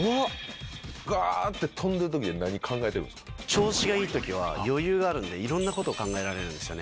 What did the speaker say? がーって飛んでるときって何調子がいいときは、余裕があるんで、いろんなこと考えられるんですよね。